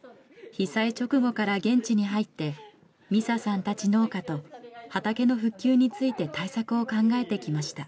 被災直後から現地に入って美佐さんたち農家と畑の復旧について対策を考えてきました。